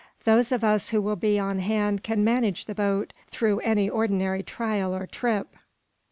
Those of us who will be on hand can manage the boat through any ordinary trial or trip."